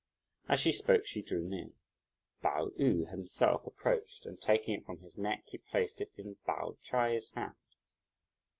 As she spoke, she drew near. Pao yü himself approached, and taking it from his neck, he placed it in Pao Ch'ai's hand.